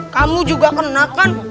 kamu juga kena kan